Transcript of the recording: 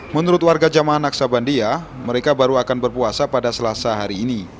menurut warga jamaah naksabandia mereka baru akan berpuasa pada selasa hari ini